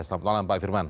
selamat malam pak firman